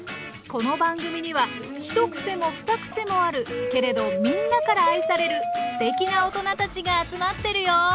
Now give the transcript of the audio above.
この番組には一癖も二癖もあるけれどみんなから愛されるすてきなおとなたちが集まってるよ！